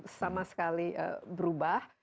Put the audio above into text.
dan sama sekali berubah